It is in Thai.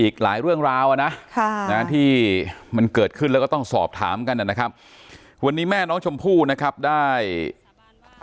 กันน่ะนะครับวันนี้แม่น้องชมพู่นะครับได้สาบานว่า